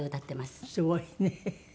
すごいね。